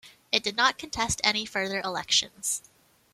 It did not contest any further elections.